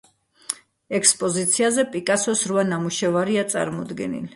ექსპოზიციაზე პიკასოს რვა ნამუშევარია წარმოდგენილი.